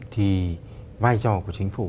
thì vai trò của chính phủ